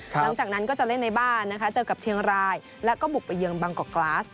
หลังจากนั้นก็จะเล่นในบ้านนะคะเจอกับเชียงรายแล้วก็บุกไปเยือนบางกอกกลาส